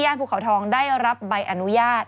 ภูเขาทองได้รับใบอนุญาต